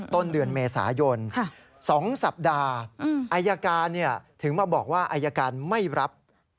ต้นเดือนเมษายน๒สัปดาห์อายการถึงมาบอกว่าอายการไม่รับ